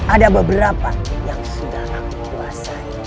ada beberapa yang sudah aku kuasai